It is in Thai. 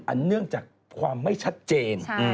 เนื่องจากความไม่ชัดเจน